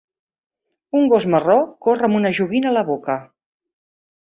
Un gos marró corre amb una joguina a la boca.